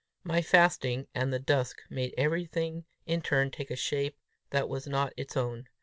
My fasting and the dusk made everything in turn take a shape that was not its own.